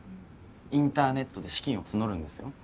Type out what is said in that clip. インターネットで資金を募るんですよ。